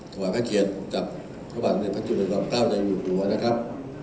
กล่วยพัทจะเขียนจากภรรณ์หนึ่งพัฒน์จุดนับเก้าในบิวยุธหัวนะครับ